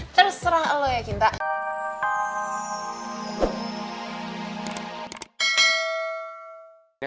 terserah lo ya cinta